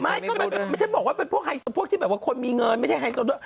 ไม่ไม่ใช่บอกว่าเป็นพวกไฮโซ